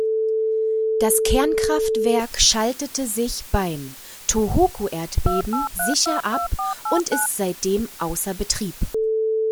Das Kernkraftwerk schaltete sich beim Tōhoku-Erdbeben sicher ab und ist seitdem außer Betrieb.